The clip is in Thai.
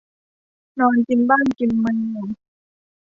นอนกินบ้านกินเมือง